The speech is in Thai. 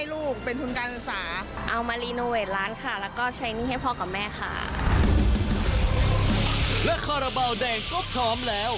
และคาราบาลแดงก็พร้อมแล้ว